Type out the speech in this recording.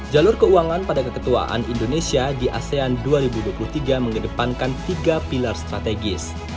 jalur keuangan pada keketuaan indonesia di asean dua ribu dua puluh tiga mengedepankan tiga pilar strategis